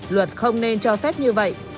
luật không nên cho phép như vậy